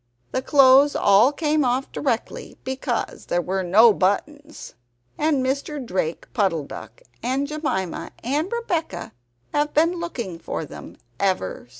The clothes all came off directly, because there were no buttons. And Mr. Drake Puddle duck, and Jemima and Rebeccah, have been looking for them ever since.